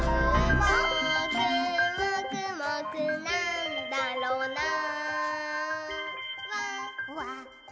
「もーくもくもくなんだろなぁ」